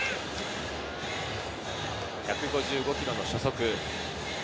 １５５キロの初速。